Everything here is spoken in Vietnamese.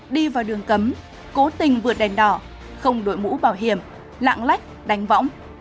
đi vào đường cấm cố tình vượt đèn đỏ không đội mũ bảo hiểm lạng lách đánh võng